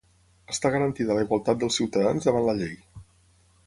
Està garantida la igualtat dels ciutadans davant la llei